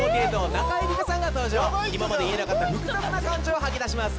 中井りかさんが登場今まで言えなかった複雑な感情を吐き出します